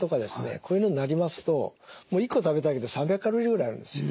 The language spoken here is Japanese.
こういうのになりますと１個食べただけで３００ｋｃａｌぐらいあるんですよ。